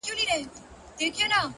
مثبت چلند اړیکې پیاوړې کوي.